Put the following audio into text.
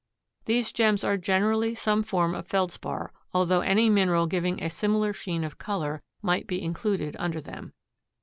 These gems are generally some form of Feldspar, although any mineral giving a similar sheen of color might be included under them.